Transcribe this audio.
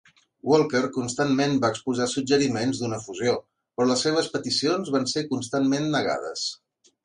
Walker constantment va exposar suggeriments d'una fusió, però les seves peticions van ser constantment negades.